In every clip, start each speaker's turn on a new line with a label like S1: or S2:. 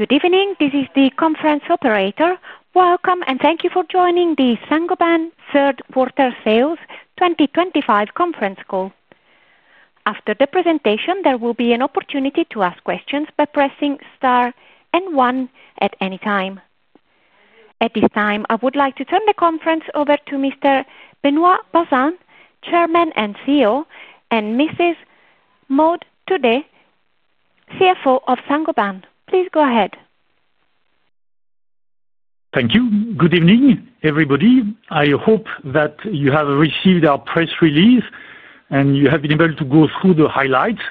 S1: Good evening, this is the conference operator. Welcome and thank you for joining the Saint-Gobain Third Quarter Sales 2025 conference call. After the presentation, there will be an opportunity to ask questions by pressing star and one at any time. At this time, I would like to turn the conference over to Mr. Benoît Bazin, Chairman and CEO, and Mrs. Maud Thuaudet, CFO of Saint-Gobain. Please go ahead.
S2: Thank you. Good evening, everybody. I hope that you have received our press release and you have been able to go through the highlights.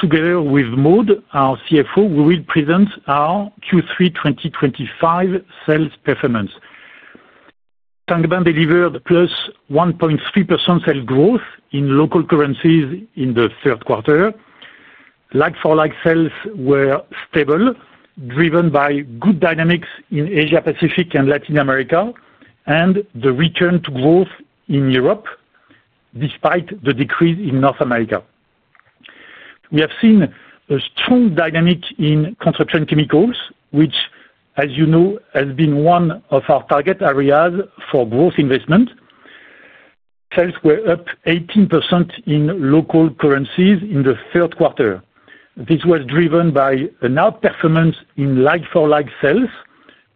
S2: Together with Maud, our CFO, we will present our Q3 2025 sales performance. Saint-Gobain delivered +1.3% sales growth in local currencies in the third quarter. Like-for-like sales were stable, driven by good dynamics in Asia-Pacific and Latin America, and the return to growth in Europe, despite the decrease in North America. We have seen a strong dynamic in construction chemicals, which, as you know, has been one of our target areas for growth investment. Sales were up 18% in local currencies in the third quarter. This was driven by an outperformance in like-for-like sales,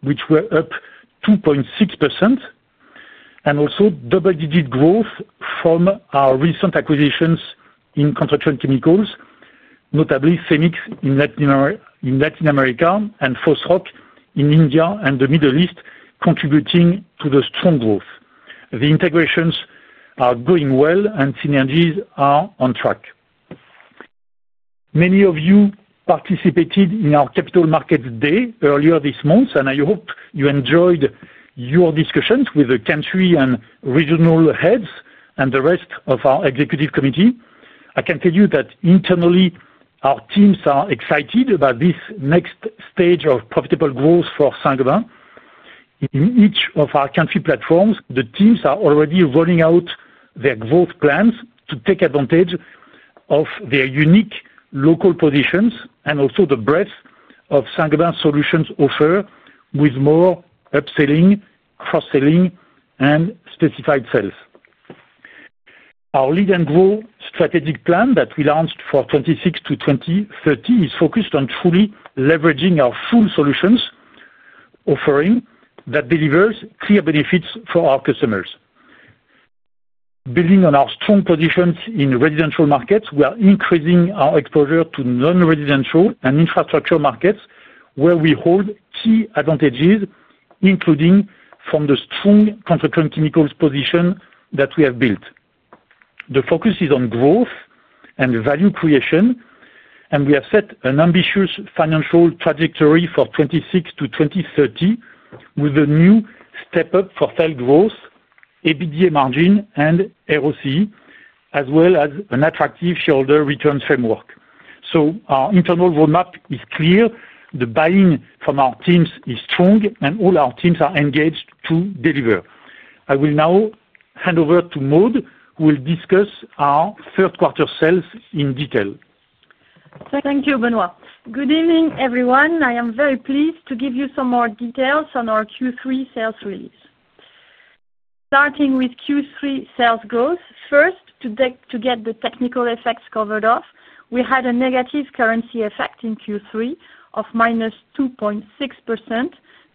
S2: which were up 2.6%, and also double-digit growth from our recent acquisitions in construction chemicals, notably Fenix in Latin America and Fosroc in India and the Middle East, contributing to the strong growth. The integrations are going well, and synergies are on track. Many of you participated in our Capital Markets Day earlier this month, and I hope you enjoyed your discussions with the country and regional heads and the rest of our Executive Committee. I can tell you that internally, our teams are excited about this next stage of profitable growth for Saint-Gobain. In each of our country platforms, the teams are already rolling out their growth plans to take advantage of their unique local positions and also the breadth of Saint-Gobain solutions offered with more upselling, cross-selling, and specified sales. Our Lead and Grow strategic plan that we launched for 2026 to 2030 is focused on truly leveraging our full solutions offering that delivers clear benefits for our customers. Building on our strong positions in residential markets, we are increasing our exposure to non-residential and infrastructure markets where we hold key advantages, including from the strong construction chemicals position that we have built. The focus is on growth and value creation, and we have set an ambitious financial trajectory for 2026 to 2030 with a new step-up for sales growth, EBITDA margin, and ROCE, as well as an attractive shareholder returns framework. Our internal roadmap is clear. The buy-in from our teams is strong, and all our teams are engaged to deliver. I will now hand over to Maud, who will discuss our third-quarter sales in detail.
S1: Thank you, Benoît. Good evening, everyone. I am very pleased to give you some more details on our Q3 sales release. Starting with Q3 sales growth, first, to get the technical effects covered off, we had a negative currency effect in Q3 of -2.6%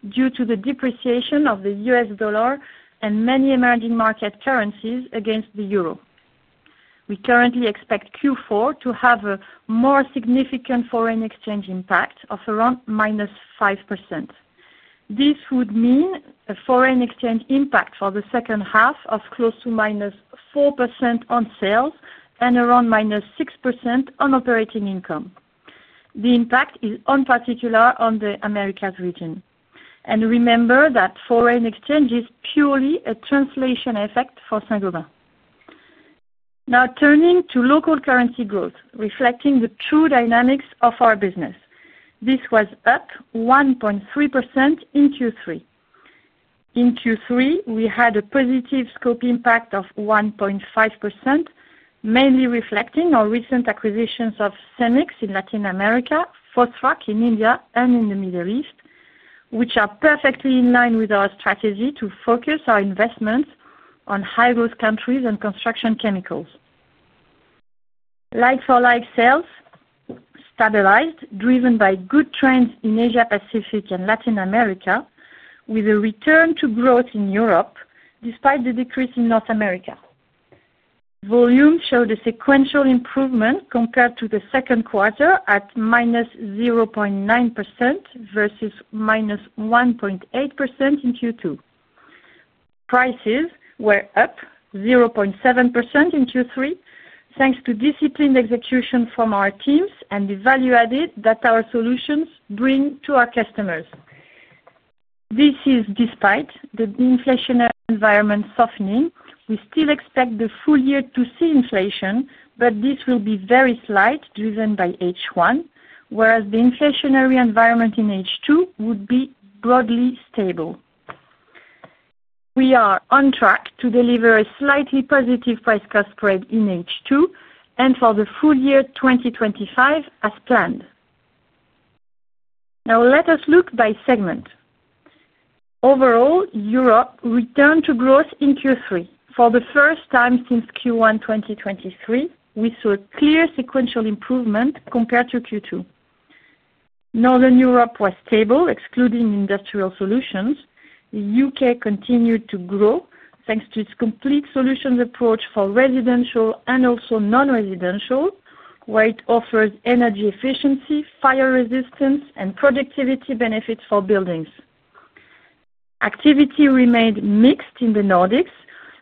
S1: due to the depreciation of the US dollar and many emerging market currencies against the euro. We currently expect Q4 to have a more significant foreign exchange impact of around -5%. This would mean a foreign exchange impact for the second half of close to -4% on sales and around -6% on operating income. The impact is in particular on the Americas region. Remember that foreign exchange is purely a translation effect for Saint-Gobain. Now, turning to local currency growth, reflecting the true dynamics of our business. This was up 1.3% in Q3. In Q3, we had a positive scope impact of 1.5%, mainly reflecting our recent acquisitions of Cemix in Latin America, Fosroc in India, and in the Middle East, which are perfectly in line with our strategy to focus our investments on high-growth countries and construction chemicals. Like-for-like sales stabilized, driven by good trends in Asia-Pacific and Latin America, with a return to growth in Europe despite the decrease in North America. Volume showed a sequential improvement compared to the second quarter at -0.9% versus -1.8% in Q2. Prices were up 0.7% in Q3, thanks to disciplined execution from our teams and the value added that our solutions bring to our customers. This is despite the inflationary environment softening. We still expect the full year to see inflation, but this will be very slight, driven by H1, whereas the inflationary environment in H2 would be broadly stable. We are on track to deliver a slightly positive price-cost spread in H2 and for the full year 2025 as planned. Now, let us look by segment. Overall, Europe returned to growth in Q3. For the first time since Q1 2023, we saw a clear sequential improvement compared to Q2. Northern Europe was stable, excluding industrial solutions. The U.K. continued to grow thanks to its complete solutions approach for residential and also non-residential, where it offers energy efficiency, fire resistance, and productivity benefits for buildings. Activity remained mixed in the Nordics,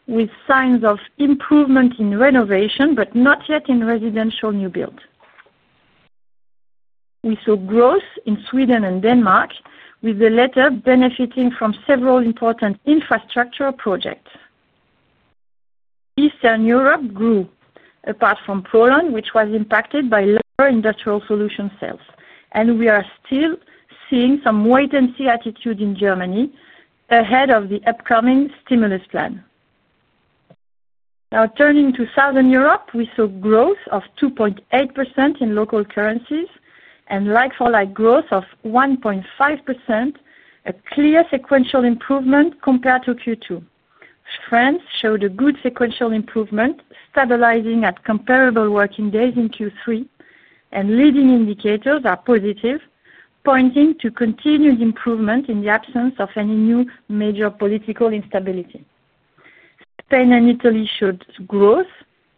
S1: with signs of improvement in renovation, but not yet in residential new build. We saw growth in Sweden and Denmark, with the latter benefiting from several important infrastructure projects. Eastern Europe grew, apart from Poland, which was impacted by lower industrial solution sales. We are still seeing some wait-and-see attitude in Germany ahead of the upcoming stimulus plan. Now, turning to Southern Europe, we saw growth of 2.8% in local currencies and like-for-like growth of 1.5%. This is a clear sequential improvement compared to Q2. France showed a good sequential improvement, stabilizing at comparable working days in Q3. Leading indicators are positive, pointing to continued improvement in the absence of any new major political instability. Spain and Italy showed growth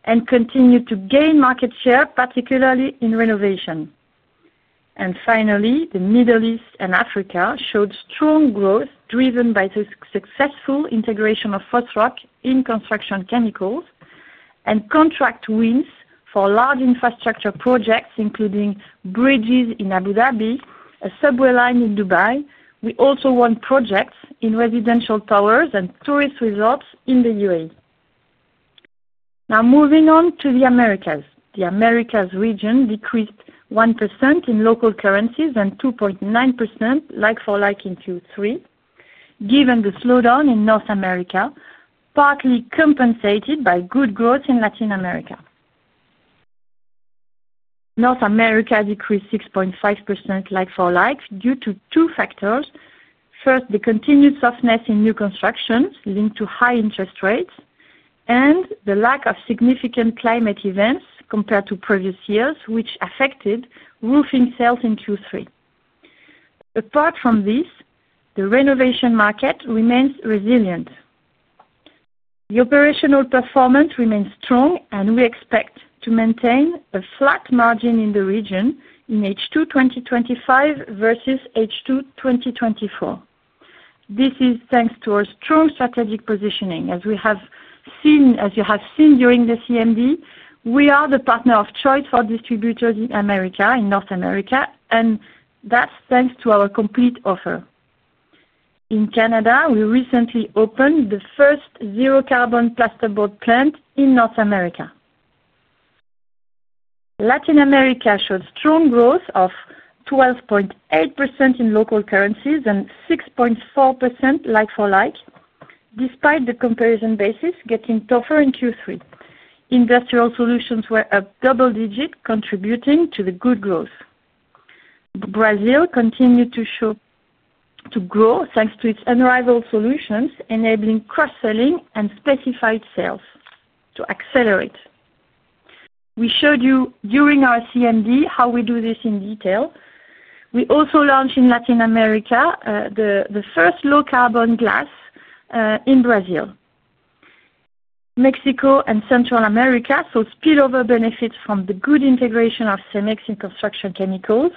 S1: and continued to gain market share, particularly in renovation. Finally, the Middle East and Africa showed strong growth, driven by successful integration of Fosroc in construction chemicals and contract wins for large infrastructure projects, including bridges in Abu Dhabi and a subway line in Dubai. We also won projects in residential towers and tourist resorts in the UAE. Now, moving on to the Americas. The Americas region decreased 1% in local currencies and 2.9% like-for-like in Q3, given the slowdown in North America, partly compensated by good growth in Latin America. North America decreased 6.5% like-for-like due to two factors. First, the continued softness in new construction linked to high interest rates and the lack of significant climate events compared to previous years, which affected roofing sales in Q3. Apart from this, the renovation market remains resilient. The operational performance remains strong, and we expect to maintain a flat margin in the region in H2 2025 versus H2 2024. This is thanks to our strong strategic positioning, as we have seen during the CMD. We are the partner of choice for distributors in North America, and that's thanks to our complete offer. In Canada, we recently opened the first zero-carbon plasterboard plant in North America. Latin America showed strong growth of 12.8% in local currencies and 6.4% like-for-like, despite the comparison basis getting tougher in Q3. Industrial solutions were up double-digit, contributing to the good growth. Brazil continued to grow thanks to its unrivaled solutions, enabling cross-selling and specified sales to accelerate. We showed you during our CMD how we do this in detail. We also launched in Latin America the first low-carbon glass in Brazil. Mexico and Central America saw spillover benefits from the good integration of Cemix in construction chemicals,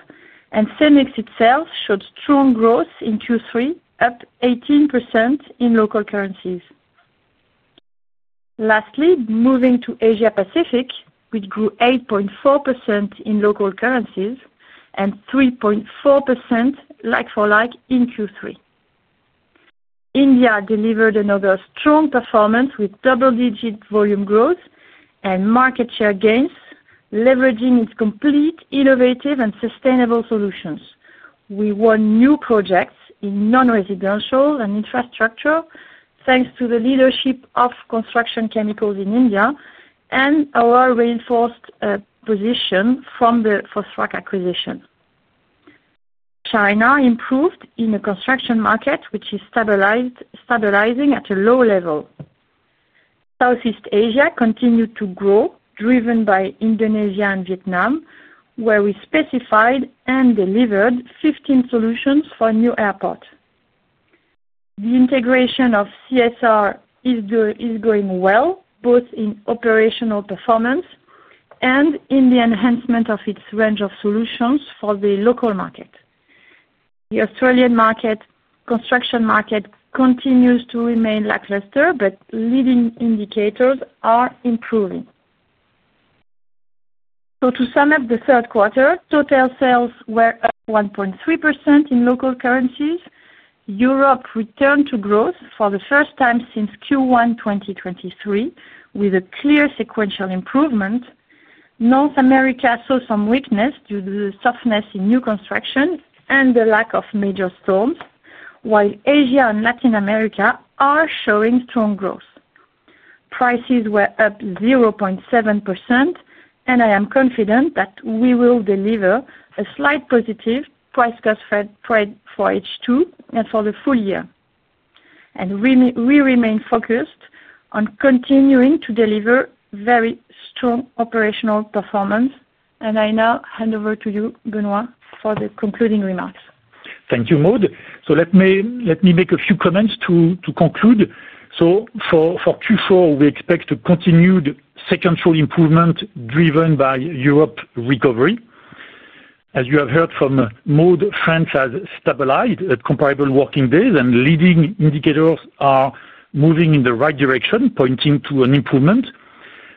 S1: and Cemix itself showed strong growth in Q3, up 18% in local currencies. Lastly, moving to Asia-Pacific, which grew 8.4% in local currencies and 3.4% like-for-like in Q3. India delivered another strong performance with double-digit volume growth and market share gains, leveraging its complete, innovative, and sustainable solutions. We won new projects in non-residential and infrastructure thanks to the leadership of construction chemicals in India and our reinforced position from the Fosroc acquisition. China improved in the construction market, which is stabilizing at a low level. Southeast Asia continued to grow, driven by Indonesia and Vietnam, where we specified and delivered 15 solutions for a new airport. The integration of CSR is going well, both in operational performance and in the enhancement of its range of solutions for the local market. The Australian construction market continues to remain lackluster, but leading indicators are improving. To sum up the third quarter, total sales were up 1.3% in local currencies. Europe returned to growth for the first time since Q1 2023, with a clear sequential improvement. North America saw some weakness due to the softness in new construction and the lack of major storms, while Asia and Latin America are showing strong growth. Prices were up 0.7%. I am confident that we will deliver a slight positive price-cost spread for H2 and for the full year. We remain focused on continuing to deliver very strong operational performance. I now hand over to you, Benoît, for the concluding remarks.
S2: Thank you, Maud. Let me make a few comments to conclude. For Q4, we expect continued sequential improvement driven by Europe recovery. As you have heard from Maud, France has stabilized at comparable working days, and leading indicators are moving in the right direction, pointing to an improvement.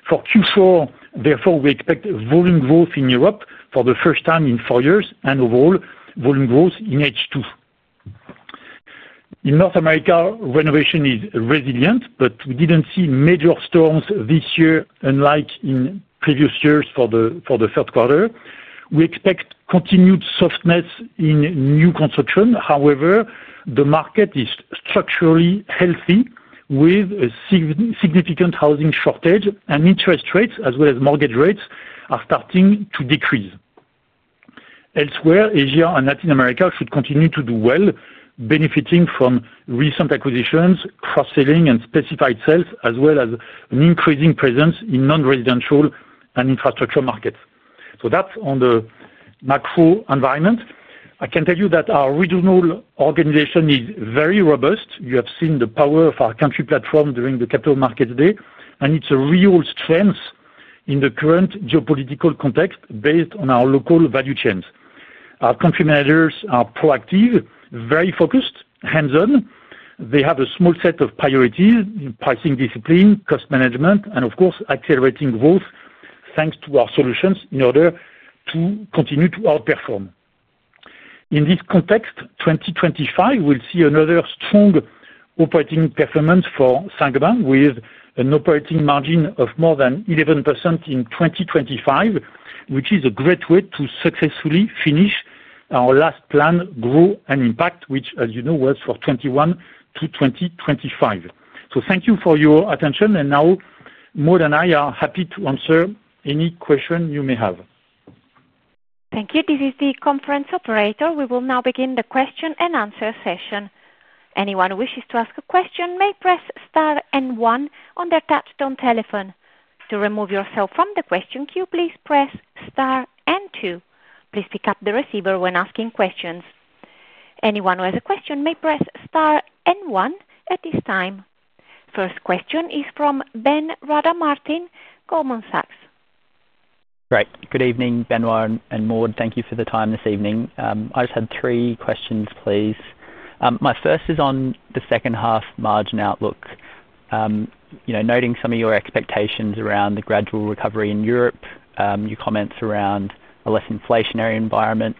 S2: For Q4, therefore, we expect volume growth in Europe for the first time in four years and overall volume growth in H2. In North America, renovation is resilient, but we didn't see major storms this year, unlike in previous years for the third quarter. We expect continued softness in new construction. However, the market is structurally healthy, with a significant housing shortage, and interest rates, as well as mortgage rates, are starting to decrease. Elsewhere, Asia and Latin America should continue to do well, benefiting from recent acquisitions, cross-selling, and specified sales, as well as an increasing presence in non-residential and infrastructure markets. That's on the macro environment. I can tell you that our regional organization is very robust. You have seen the power of our country platform during the Capital Markets Day, and it's a real strength in the current geopolitical context based on our local value chains. Our country managers are proactive, very focused, hands-on. They have a small set of priorities in pricing discipline, cost management, and, of course, accelerating growth thanks to our solutions in order to continue to outperform. In this context, 2025 will see another strong operating performance for Saint-Gobain with an operating margin of more than 11% in 2025, which is a great way to successfully finish our last plan, Grow and Impact, which, as you know, was for 2021 to 2025. Thank you for your attention. Maud and I are happy to answer any question you may have.
S3: Thank you. This is the conference operator. We will now begin the question-and-answer session. Anyone who wishes to ask a question may press Star and One on their touch-tone telephone. To remove yourself from the question queue, please press Star and Two. Please pick up the receiver when asking questions. Anyone who has a question may press Star and One at this time. First question is from Ben Rada Martin, Goldman Sachs.
S4: Great. Good evening, Benoît and Maud. Thank you for the time this evening. I just had three questions, please. My first is on the second-half margin outlook. Noting some of your expectations around the gradual recovery in Europe, your comments around a less inflationary environment,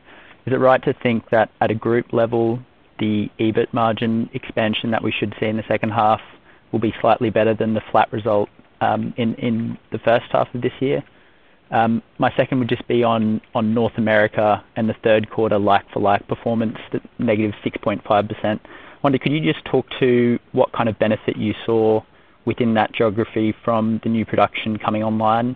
S4: is it right to think that at a group level, the EBIT margin expansion that we should see in the second half will be slightly better than the flat result in the first half of this year? My second would just be on North America and the third-quarter like-for-like performance, negative 6.5%. I wonder, could you just talk to what kind of benefit you saw within that geography from the new production coming online?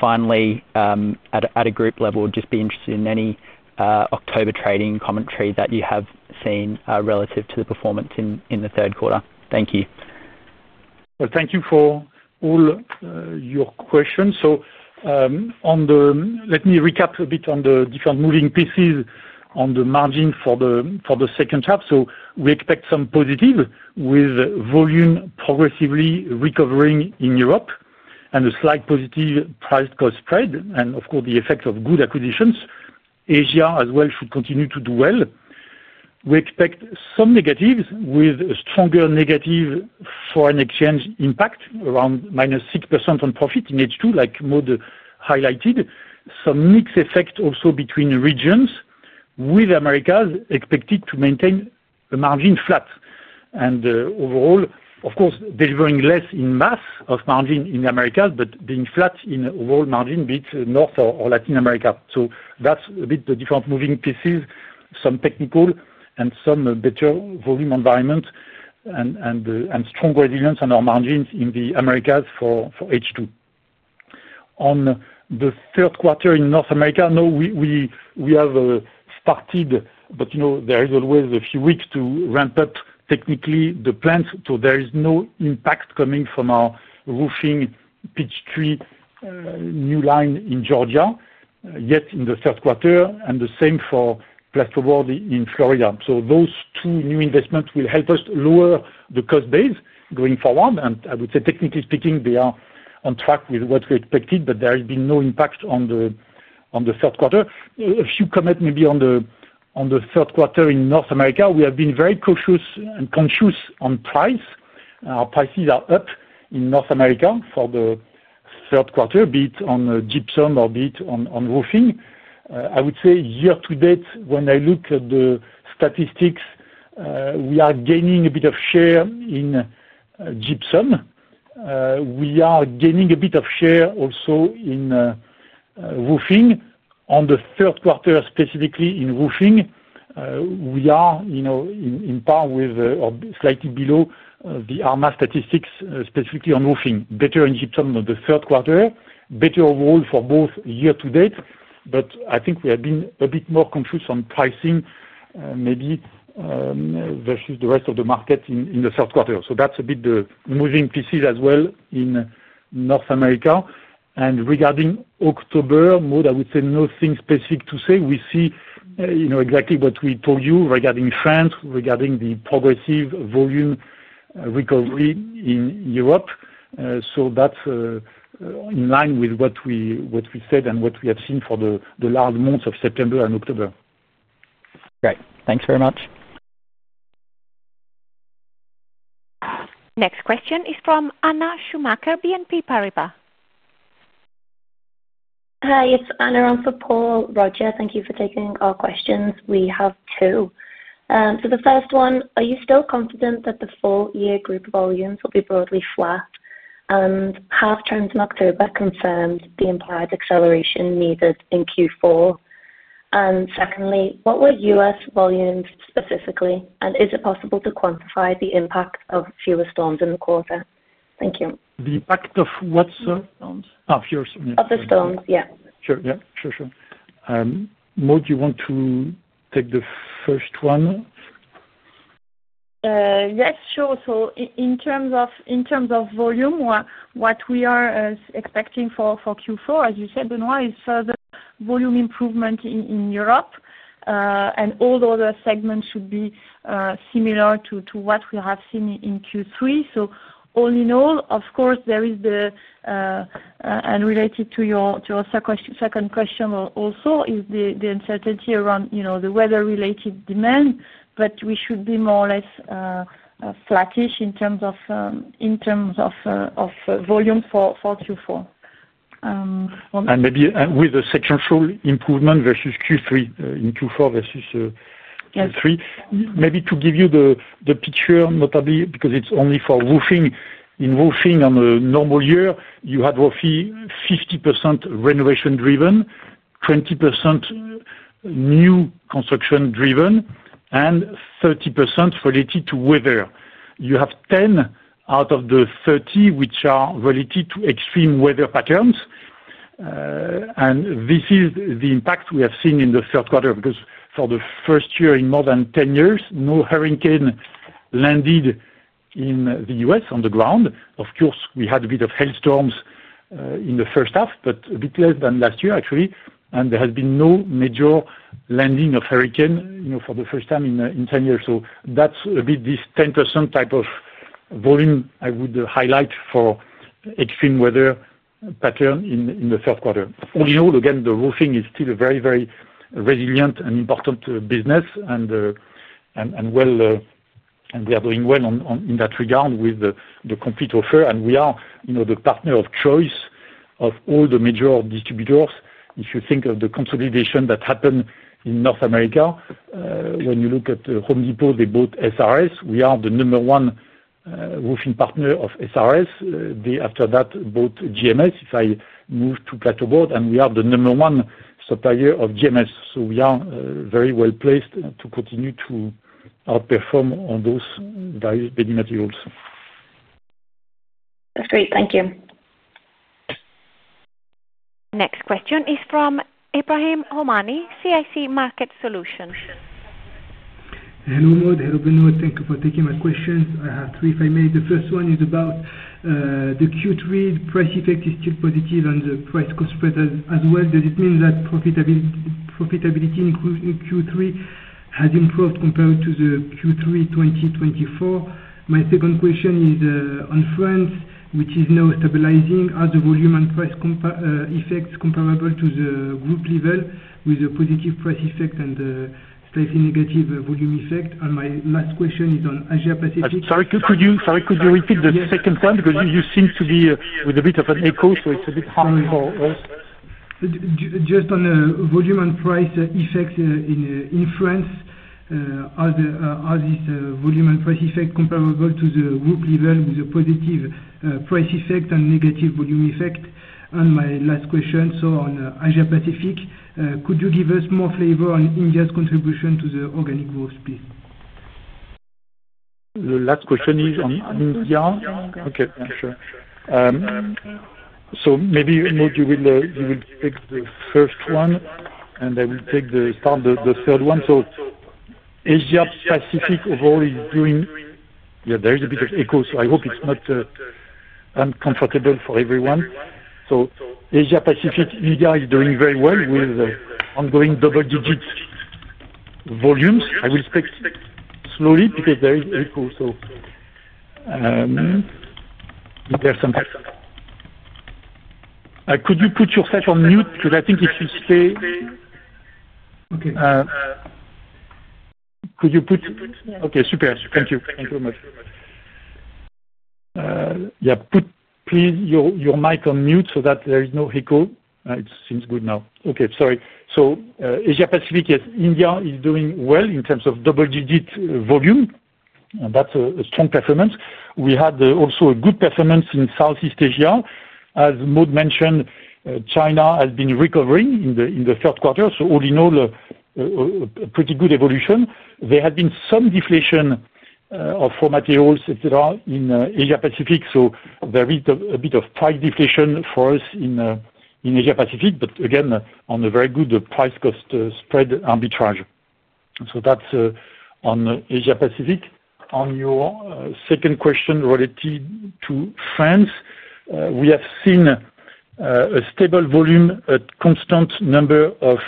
S4: Finally, at a group level, just be interested in any October trading commentary that you have seen relative to the performance in the third quarter. Thank you.
S2: Thank you for all your questions. Let me recap a bit on the different moving pieces on the margin for the second half. We expect some positive with volume progressively recovering in Europe and a slight positive price-cost spread and, of course, the effect of good acquisitions. Asia, as well, should continue to do well. We expect some negatives with a stronger negative foreign exchange impact around -6% on profit in H2, like Maud highlighted. Some mixed effect also between regions, with America expected to maintain a margin flat and overall, of course, delivering less in mass of margin in America, but being flat in overall margin, be it North or Latin America. That's a bit the different moving pieces, some technical and some better volume environment and strong resilience on our margins in the Americas for H2. On the third quarter in North America, we have started, but there is always a few weeks to ramp up technically the plant. There is no impact coming from our roofing pitch tree new line in Georgia yet in the third quarter, and the same for plasterboard in Florida. Those two new investments will help us lower the cost base going forward. I would say, technically speaking, they are on track with what we expected, but there has been no impact on the third quarter. A few comments maybe on the third quarter in North America. We have been very cautious and conscious on price. Our prices are up in North America for the third quarter, be it on gypsum or be it on roofing. I would say, year to date, when I look at the statistics, we are gaining a bit of share in gypsum. We are gaining a bit of share also in roofing. On the third quarter, specifically in roofing, we are in par with or slightly below the ARMA statistics, specifically on roofing. Better in gypsum on the third quarter, better overall for both year to date. I think we have been a bit more conscious on pricing maybe versus the rest of the market in the third quarter. That's a bit the moving pieces as well in North America. Regarding October, Maud, I would say nothing specific to say. We see exactly what we told you regarding France, regarding the progressive volume recovery in Europe. That's in line with what we said and what we have seen for the last months of September and October.
S4: Great, thanks very much.
S3: Next question is from Anna Schumacher, BNP Paribas.
S5: Hi, it's Anna. I'm for Paul Roger. Thank you for taking our questions. We have two. The first one, are you still confident that the full-year group volumes will be broadly flat, and have trends in October confirmed the implied acceleration needed in Q4? Secondly, what were U.S. volumes specifically, and is it possible to quantify the impact of fewer storms in the quarter? Thank you.
S2: The impact of what, sir?
S5: Of storms.
S2: Of your storms.
S5: Of the storms, yeah.
S2: Sure. Maud, do you want to take the first one?
S1: Yes, sure. In terms of volume, what we are expecting for Q4, as you said, Benoît, is further volume improvement in Europe. All those segments should be similar to what we have seen in Q3. Of course, there is the uncertainty around the weather-related demand, but we should be more or less flattish in terms of volume for Q4.
S2: There may be a sequential improvement in Q4 versus Q3.
S5: Yes.
S2: Maybe to give you the picture, notably, because it's only for roofing. In roofing on a normal year, you have roughly 50% renovation-driven, 20% new construction-driven, and 30% related to weather. You have 10% out of the 30%, which are related to extreme weather patterns. This is the impact we have seen in the third quarter because for the first year in more than 10 years, no hurricane landed in the U.S. on the ground. Of course, we had a bit of hailstorms in the first half, but a bit less than last year, actually. There has been no major landing of hurricane for the first time in 10 years. That's a bit this 10% type of volume I would highlight for extreme weather pattern in the third quarter. All in all, again, the roofing is still a very, very resilient and important business. They are doing well in that regard with the complete offer. We are the partner of choice of all the major distributors. If you think of the consolidation that happened in North America, when you look at The Home Depot, they bought SRS. We are the number one roofing partner of SRS. After that, bought GMS, if I move to Placo Board, and we are the number one supplier of GMS. We are very well placed to continue to outperform on those various building materials.
S5: That's great. Thank you.
S3: Next question is from Ebrahim Homani, CIC Market Solutions.
S6: Hello, Maud. Hello, Benoît. Thank you for taking my questions. I have three, if I may. The first one is about the Q3 price effect. It is still positive on the price-cost spread as well. Does it mean that profitability in Q3 has improved compared to Q3 2024? My second question is on France, which is now stabilizing. Are the volume and price effects comparable to the group level with a positive price effect and a slightly negative volume effect? My last question is on Asia-Pacific.
S2: Sorry, could you repeat the second one? You seem to be with a bit of an echo, so it's a bit hard for us.
S6: Just on the volume and price effects in France, are these volume and price effects comparable to the group level with a positive price effect and negative volume effect? My last question, on Asia-Pacific, could you give us more flavor on India's contribution to the organic growth, please?
S2: The last question is on India. Okay. Sure. Maybe, Maud, you will take the first one, and I will start the third one. Asia-Pacific overall is doing, yeah, there is a bit of echo, so I hope it's not uncomfortable for everyone. Asia-Pacific, India is doing very well with ongoing double-digit volumes. I will speak slowly because there is echo. Could you put yourself on mute? Because I think if you stay.
S6: Okay.
S2: Okay, super. Thank you. Thank you very much. Please, put your mic on mute so that there is no echo. It seems good now. Sorry. Asia-Pacific, yes, India is doing well in terms of double-digit volume. That's a strong performance. We had also a good performance in Southeast Asia. As Maud mentioned, China has been recovering in the third quarter. All in all, a pretty good evolution. There has been some deflation of raw materials, etc., in Asia-Pacific. There is a bit of price deflation for us in Asia-Pacific, but again, on a very good price-cost spread arbitrage. That's on Asia-Pacific. On your second question related to France, we have seen a stable volume, a constant number of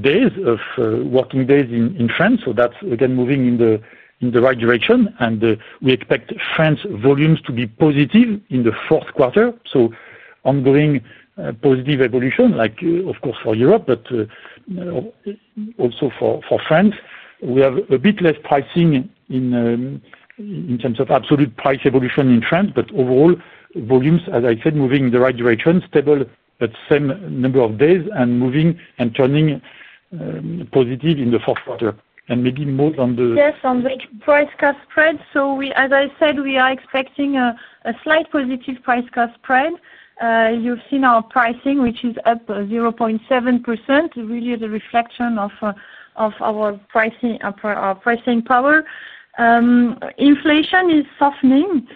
S2: days, of working days in France. That's, again, moving in the right direction. We expect France volumes to be positive in the fourth quarter. Ongoing positive evolution, like, of course, for Europe, but also for France. We have a bit less pricing in terms of absolute price evolution in France, but overall, volumes, as I said, moving in the right direction, stable at the same number of days, and turning positive in the fourth quarter. Maybe Maud on the.
S1: Yes, on the price-cost spread. As I said, we are expecting a slight positive price-cost spread. You've seen our pricing, which is up 0.7%, really the reflection of our pricing power. Inflation is softening.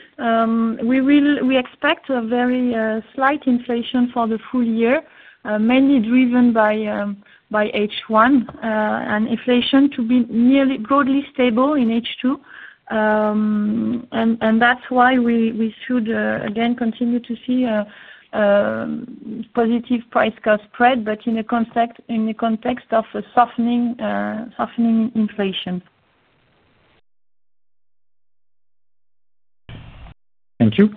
S1: We expect a very slight inflation for the full year, mainly driven by H1 and inflation to be broadly stable in H2. That's why we should, again, continue to see positive price-cost spread, but in the context of softening inflation.
S2: Thank you.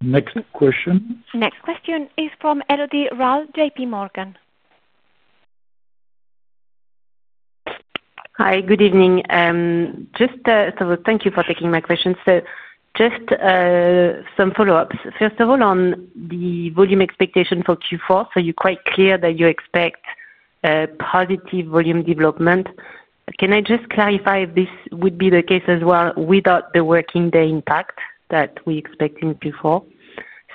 S2: Next question.
S3: Next question is from Elodie Rall, JPMorgan.
S7: Hi, good evening. Thank you for taking my question. Just some follow-ups. First of all, on the volume expectation for Q4, you're quite clear that you expect positive volume development. Can I just clarify if this would be the case as well without the working day impact that we expect in Q4?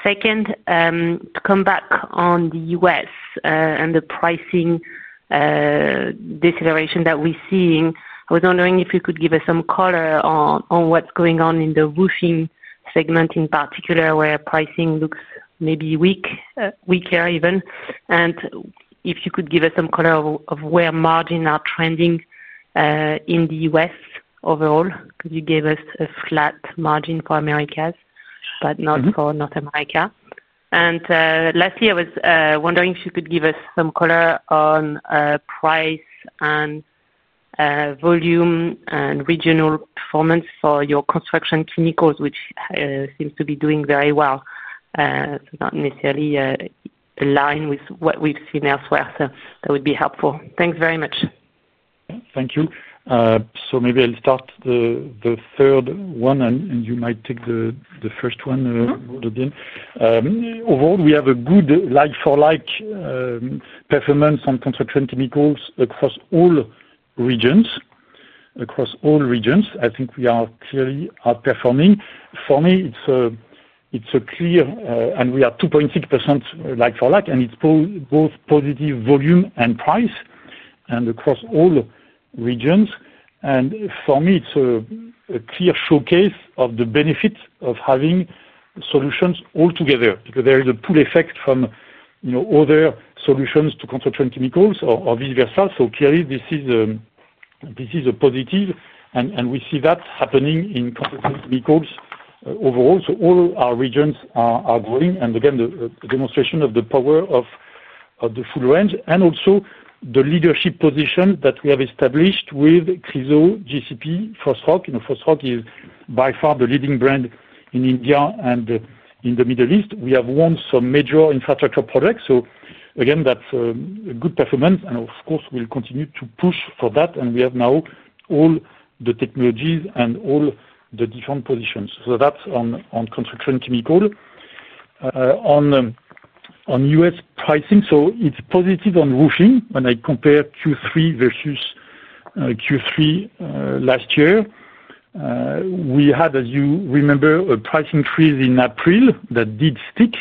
S7: Second, to come back on the U.S. and the pricing deceleration that we're seeing, I was wondering if you could give us some color on what's going on in the roofing segment in particular, where pricing looks maybe weaker, even. If you could give us some color of where margins are trending in the U.S. overall, because you gave us a flat margin for Americas, but not for North America. Lastly, I was wondering if you could give us some color on price and volume and regional performance for your construction chemicals, which seems to be doing very well. Not necessarily aligned with what we've seen elsewhere. That would be helpful. Thanks very much.
S2: Thank you. Maybe I'll start the third one, and you might take the first one, Maud again. Overall, we have a good like-for-like performance on construction chemicals across all regions. I think we are clearly outperforming. For me, it's clear and we are 2.6% like-for-like, and it's both positive volume and price across all regions. For me, it's a clear showcase of the benefit of having solutions all together because there is a pull effect from other solutions to construction chemicals or vice versa. This is a positive, and we see that happening in construction chemicals overall. All our regions are growing. The demonstration of the power of the full range and also the leadership position that we have established with Chryso, GCP, Fosroc. Fosroc is by far the leading brand in India and in the Middle East. We have won some major infrastructure projects. That's a good performance. We will continue to push for that. We have now all the technologies and all the different positions. That's on construction chemicals. On U.S. pricing, it's positive on roofing when I compare Q3 versus Q3 last year. We had, as you remember, a price increase in April that did stick.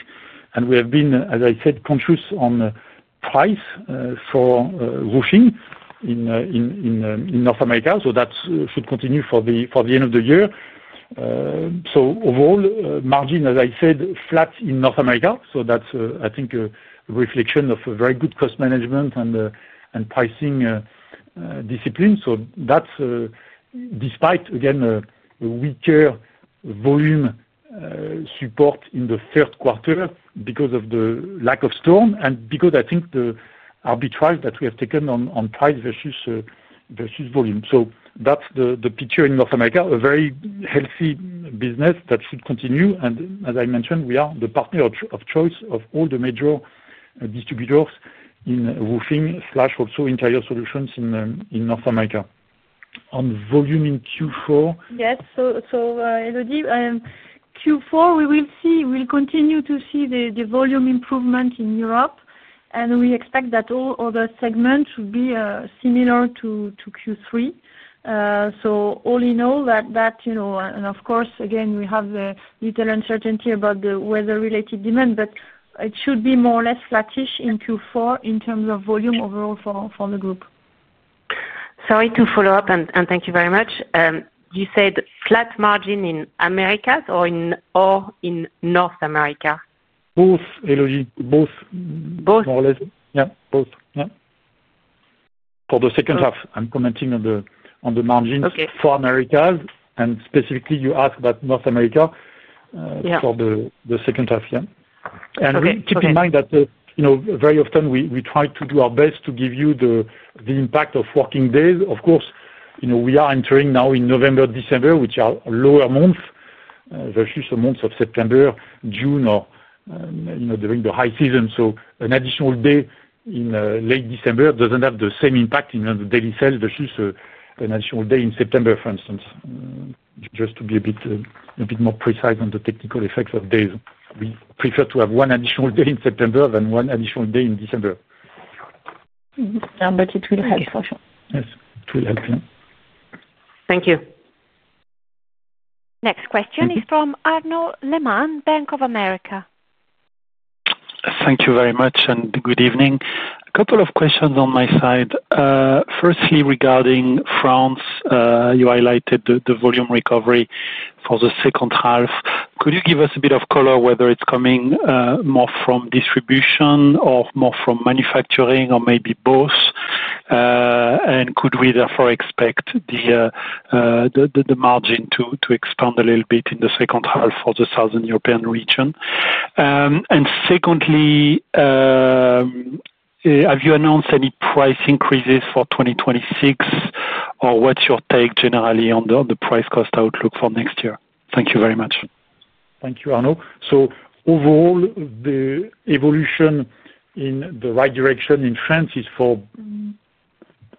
S2: We have been, as I said, conscious on price for roofing in North America. That should continue for the end of the year. Overall, margin, as I said, flat in North America. That's, I think, a reflection of very good cost management and pricing discipline. That's despite, again, a weaker volume support in the third quarter because of the lack of storm and because, I think, the arbitrage that we have taken on price versus volume. That's the picture in North America. A very healthy business that should continue. As I mentioned, we are the partner of choice of all the major distributors in roofing and also interior solutions in North America. On volume in Q4?
S1: Yes. Elodie, Q4, we will continue to see the volume improvement in Europe. We expect that all other segments should be similar to Q3. All in all, that. Of course, again, we have the little uncertainty about the weather-related demand, but it should be more or less flattish in Q4 in terms of volume overall for the group.
S7: Sorry to follow up, and thank you very much. You said flat margin in Americas or in North America?
S2: Both, Elodie. Both.
S7: Both.
S2: More or less. Yeah. Both. For the second half, I'm commenting on the margins for Americas, and specifically, you asked about North America for the second half. Keep in mind that very often, we try to do our best to give you the impact of working days. Of course, we are entering now in November, December, which are lower months versus the months of September, June, or during the high season. An additional day in late December doesn't have the same impact in the daily sales versus an additional day in September, for instance. Just to be a bit more precise on the technical effects of days, we prefer to have one additional day in September than one additional day in December.
S1: It will help for sure.
S2: Yes, it will help.
S7: Thank you.
S3: Next question is from Arnaud Gourmelen Bank of America.
S8: Thank you very much and good evening. A couple of questions on my side. Firstly, regarding France, you highlighted the volume recovery for the second half. Could you give us a bit of color whether it's coming more from distribution or more from manufacturing or maybe both? Could we therefore expect the margin to expand a little bit in the second half for the Southern European region? Secondly, have you announced any price increases for 2026, or what's your take generally on the price-cost outlook for next year? Thank you very much.
S2: Thank you, Arnaud. Overall, the evolution in the right direction in France is for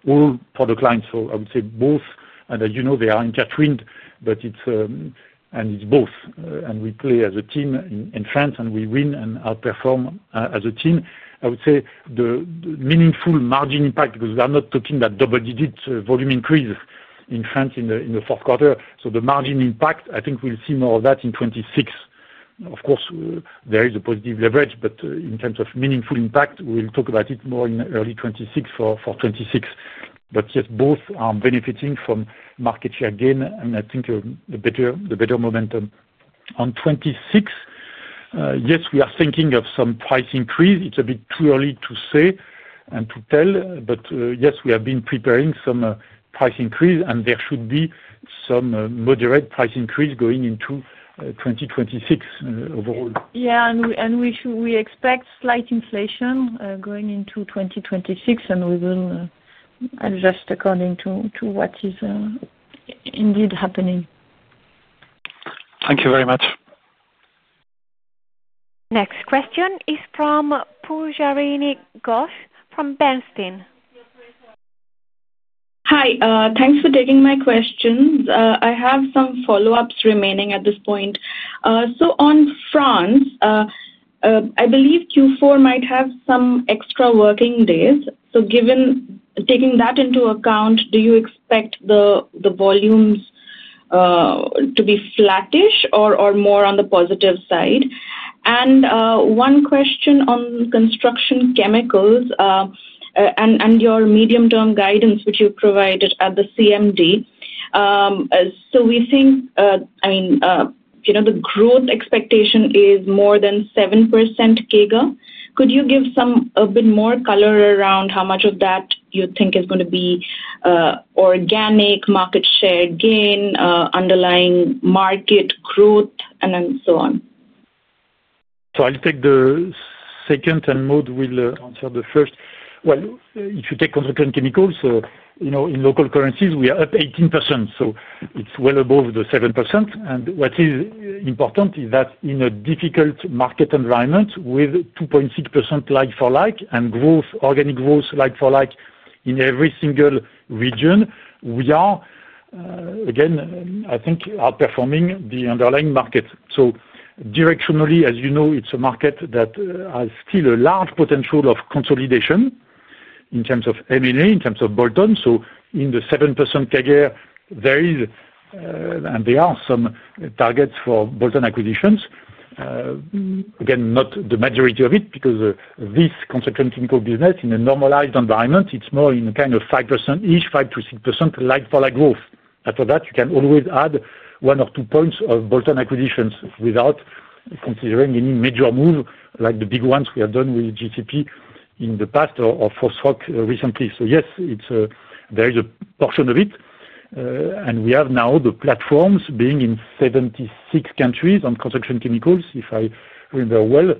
S2: all for the clients. I would say both. As you know, they are in Catherine, but it's both. We play as a team in France, and we win and outperform as a team. I would say the meaningful margin impact, because we are not talking about double-digit volume increase in France in the fourth quarter. The margin impact, I think we'll see more of that in 2026. Of course, there is a positive leverage, but in terms of meaningful impact, we'll talk about it more in early 2026 for 2026. Yes, both are benefiting from market share gain, and I think the better momentum. On 2026, we are thinking of some price increase. It's a bit too early to say and to tell, but yes, we have been preparing some price increase, and there should be some moderate price increase going into 2026 overall.
S1: We expect slight inflation going into 2026, and we will adjust according to what is indeed happening.
S8: Thank you very much.
S3: Next question is from Pujarini Ghosh from Bernstein.
S9: Hi. Thanks for taking my questions. I have some follow-ups remaining at this point. On France, I believe Q4 might have some extra working days. Taking that into account, do you expect the volumes to be flattish or more on the positive side? One question on construction chemicals and your medium-term guidance, which you provided at the CMD. We think the growth expectation is more than 7% CAGR. Could you give a bit more color around how much of that you think is going to be organic market share gain, underlying market growth, and so on?
S2: I'll take the second, and Maud will answer the first. If you take construction chemicals in local currencies, we are up 18%. It's well above the 7%. What is important is that in a difficult market environment with 2.6% like-for-like and organic growth like-for-like in every single region, we are, again, I think, outperforming the underlying market. Directionally, as you know, it's a market that has still a large potential of consolidation in terms of M&A, in terms of bolt-on. In the 7% CAGR, there is. There are some targets for bolt-on acquisitions, again, not the majority of it, because this construction chemical business, in a normalized environment, it's more in kind of 5%-ish, 5% to 6% like-for-like growth. After that, you can always add one or two points of bolt-on acquisitions without considering any major move, like the big ones we have done with GCP in the past or Fosroc recently. Yes, there is a portion of it. We have now the platforms being in 76 countries on construction chemicals, if I remember well.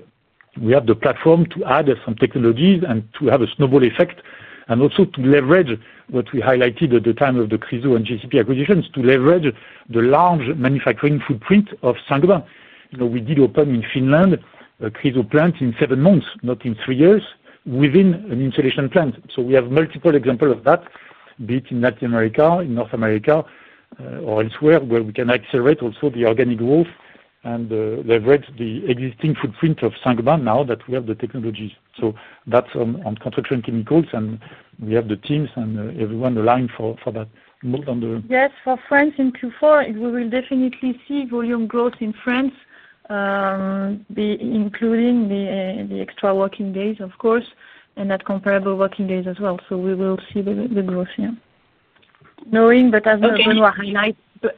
S2: We have the platform to add some technologies and to have a snowball effect, and also to leverage what we highlighted at the time of the Chryso and GCP acquisitions to leverage the large manufacturing footprint of Saint-Gobain. We did open in Finland a Chryso plant in seven months, not in three years, within an insulation plant. We have multiple examples of that, be it in Latin America, in North America, or elsewhere, where we can accelerate also the organic growth and leverage the existing footprint of Saint-Gobain now that we have the technologies. That's on construction chemicals, and we have the teams and everyone aligned for that. Maud on the.
S1: Yes. For France in Q4, we will definitely see volume growth in France, including the extra working days, of course, and that comparable working days as well. We will see the growth here, knowing, as Benoît Bazin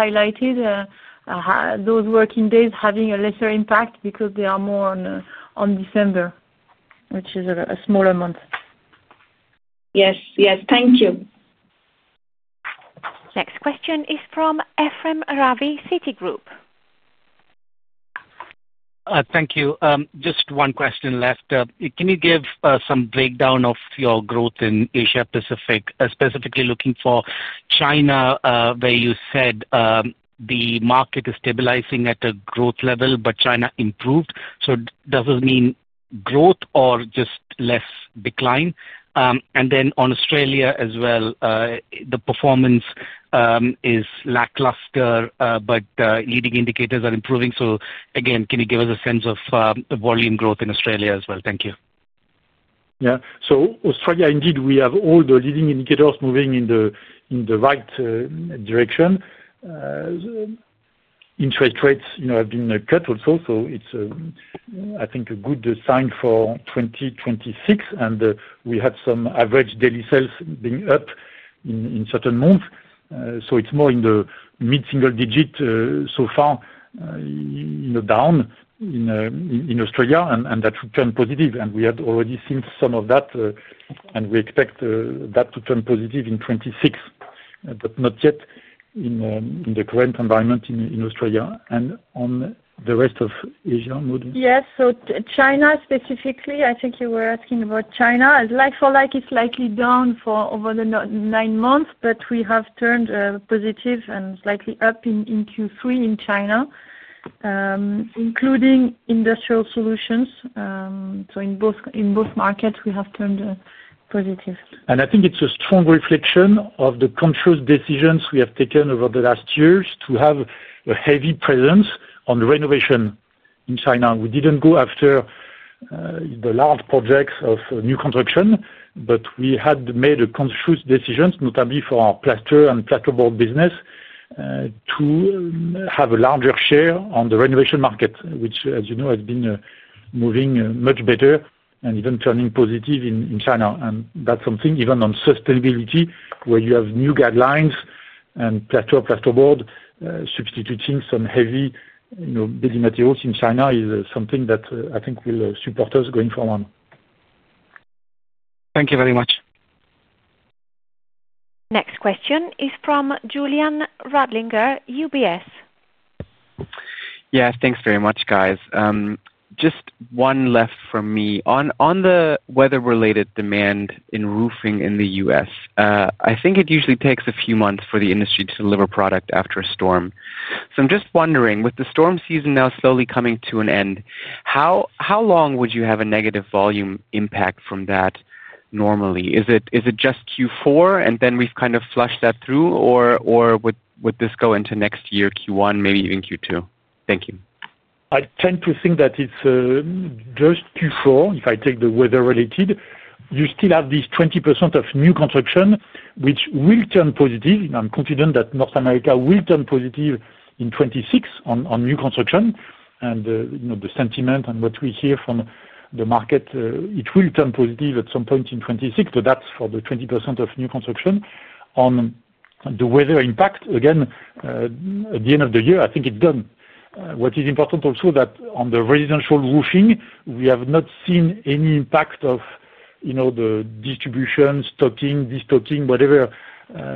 S1: highlighted, those working days have a lesser impact because they are more on December, which is a smaller month.
S9: Yes, yes. Thank you.
S3: Next question is from Ephrem Ravi, Citigroup.
S10: Thank you. Just one question left. Can you give some breakdown of your growth in Asia-Pacific, specifically looking for China, where you said the market is stabilizing at a growth level, but China improved? Does it mean growth or just less decline? On Australia as well, the performance is lackluster, but leading indicators are improving. Can you give us a sense of volume growth in Australia as well? Thank you.
S2: Yeah. Australia, indeed, we have all the leading indicators moving in the right direction. Interest rates have been cut also. It's, I think, a good sign for 2026. We have some average daily sales being up in certain months. It's more in the mid-single digit so far down in Australia, and that should turn positive. We had already seen some of that. We expect that to turn positive in 2026, but not yet in the current environment in Australia. On the rest of Asia, Maud?
S1: Yes. China specifically, I think you were asking about China. Like-for-like is slightly down over the nine months, but we have turned positive and slightly up in Q3 in China, including industrial solutions. In both markets, we have turned positive.
S2: I think it's a strong reflection of the conscious decisions we have taken over the last years to have a heavy presence on renovation in China. We didn't go after the large projects of new construction, but we had made conscious decisions, notably for our plaster and plasterboard business, to have a larger share on the renovation market, which, as you know, has been moving much better and even turning positive in China. That's something even on sustainability, where you have new guidelines and plaster or plasterboard substituting some heavy building materials in China, is something that I think will support us going forward.
S10: Thank you very much.
S3: Next question is from Julian Radlinger, UBS.
S11: Yes. Thanks very much, guys. Just one left from me. On the weather-related demand in roofing in the U.S., I think it usually takes a few months for the industry to deliver product after a storm. I'm just wondering, with the storm season now slowly coming to an end, how long would you have a negative volume impact from that normally? Is it just Q4, and then we've kind of flushed that through, or would this go into next year, Q1, maybe even Q2? Thank you.
S2: I tend to think that it's just Q4, if I take the weather-related. You still have this 20% of new construction, which will turn positive. I'm confident that North America will turn positive in 2026 on new construction. The sentiment and what we hear from the market, it will turn positive at some point in 2026. That's for the 20% of new construction. On the weather impact, again, at the end of the year, I think it's done. What is important also is that on the residential roofing, we have not seen any impact of the distribution, stocking, destocking, whatever.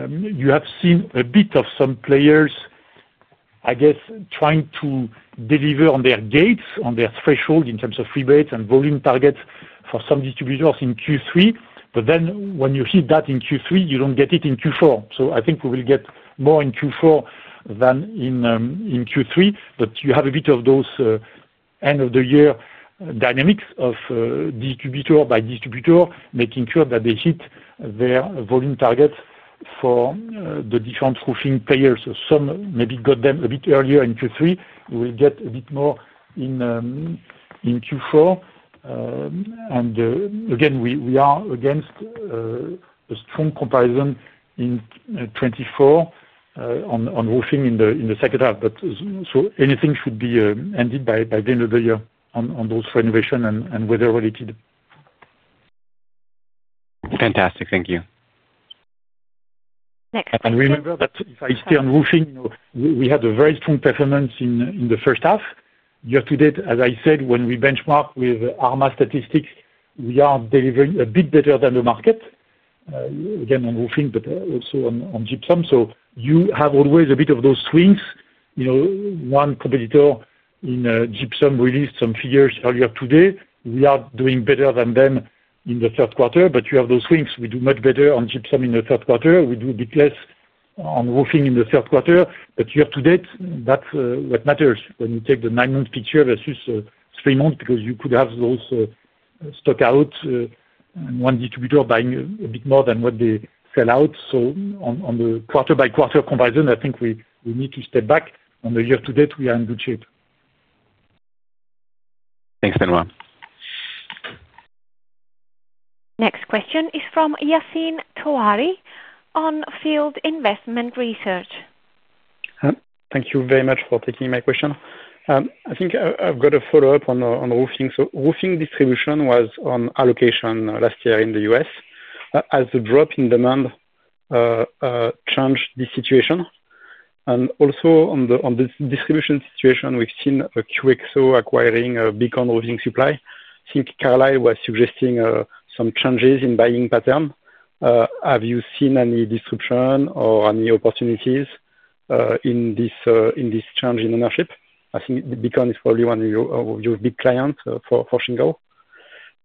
S2: You have seen a bit of some players, I guess, trying to deliver on their gates, on their threshold in terms of rebates and volume targets for some distributors in Q3. When you hit that in Q3, you don't get it in Q4. I think we will get more in Q4 than in Q3. You have a bit of those end-of-the-year dynamics of distributor by distributor, making sure that they hit their volume targets for the different roofing players. Some maybe got them a bit earlier in Q3. We'll get a bit more in Q4. Again, we are against a strong comparison in 2024 on roofing in the second half. Anything should be ended by the end of the year on those renovation and weather-related.
S11: Fantastic. Thank you.
S3: Next.
S2: If I stay on roofing, we had a very strong performance in the first half. Year to date, as I said, when we benchmark with ARMA statistics, we are delivering a bit better than the market. Again, on roofing, but also on gypsum. You have always a bit of those swings. One competitor in gypsum released some figures earlier today. We are doing better than them in the third quarter, but you have those swings. We do much better on gypsum in the third quarter. We do a bit less on roofing in the third quarter. Year to date, that's what matters when you take the nine-month picture versus three months, because you could have those stock out. One distributor buying a bit more than what they sell out. On the quarter-by-quarter comparison, I think we need to step back. On the year to date, we are in good shape.
S11: Thanks, Benoît.
S3: Next question is from Yassine Touahri on Field Investment Research.
S12: Thank you very much for taking my question. I think I've got a follow-up on roofing. Roofing distribution was on allocation last year in the U.S., as the drop in demand changed the situation. Also, on the distribution situation, we've seen QXO acquiring a Beacon Roofing Supply. I think Carlisle was suggesting some changes in buying pattern. Have you seen any disruption or any opportunities in this change in ownership? I think Beacon is probably one of your big clients for Shingle.